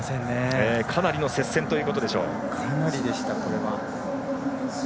かなりの接戦ということでしょう。